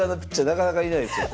なかなかいないですよ。